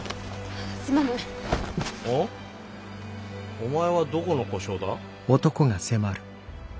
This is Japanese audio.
お前はどこの小姓だ？